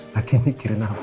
lagi mikirin apa sih